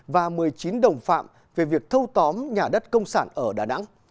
và một mươi chín đồng phạm về việc thâu tóm nhà đất công sản ở đà nẵng